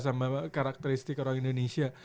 sama karakteristik orang indonesia